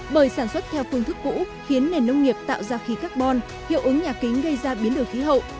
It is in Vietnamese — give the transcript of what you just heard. bởi sản xuất theo phương thức cũ khiến nền nông nghiệp tạo ra khí carbon hiệu ứng nhà kính gây ra biến đổi khí hậu